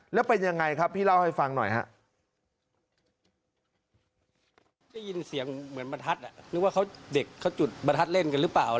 แล้วเป็นยังไงครับพี่เล่าให้ฟังหน่อยฮะ